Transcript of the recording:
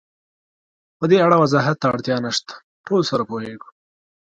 پدې اړه وضاحت ته اړتیا نشته، ټول سره پوهېږو.